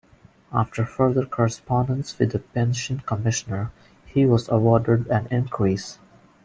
After further correspondence with the "Pension Commissioner" he was awarded an increase.